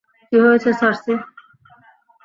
কী হয়েছে, সার্সি?